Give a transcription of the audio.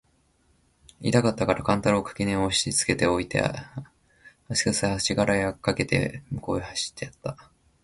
痛かつたから勘太郎を垣根へ押しつけて置いて、足搦あしがらをかけて向へ斃してやつた。